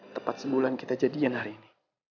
tepat sebulan kita jadikan hari ini